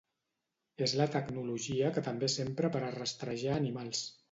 És la tecnologia que també s'empra per a rastrejar animals.